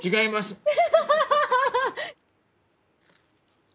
ハハハハ！